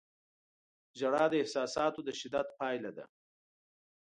• ژړا د احساساتو د شدت پایله ده.